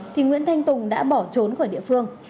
thì nguyễn thanh tùng đã bỏ trốn khỏi địa phương